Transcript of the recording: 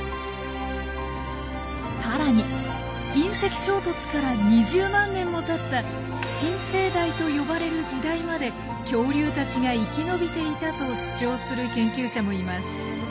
さらに隕石衝突から２０万年もたった新生代と呼ばれる時代まで恐竜たちが生き延びていたと主張する研究者もいます。